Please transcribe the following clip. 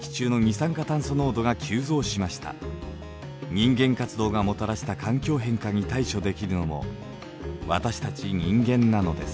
人間活動がもたらした環境変化に対処できるのも私たち人間なのです。